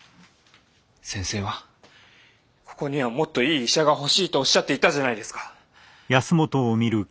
先生はここにはもっといい医者が欲しいとおっしゃっていたじゃないですか。